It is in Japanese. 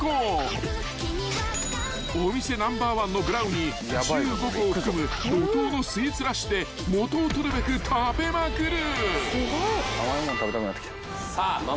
［お店ナンバー１のブラウニー１５個を含む怒濤のスイーツラッシュで元を取るべく食べまくる］